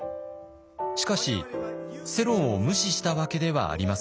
しかし世論を無視したわけではありません。